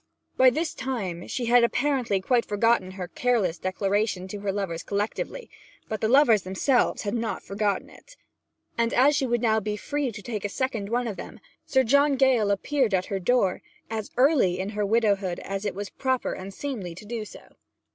By this time she had apparently quite forgotten her careless declaration to her lovers collectively; but the lovers themselves had not forgotten it; and, as she would now be free to take a second one of them, Sir John Gale appeared at her door as early in her widowhood as it was proper and seemly to do so.